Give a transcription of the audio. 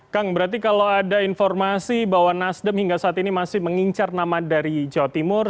kang berarti kalau ada informasi bahwa nasdem hingga saat ini masih mengincar nama dari jawa timur